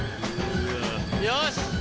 よし！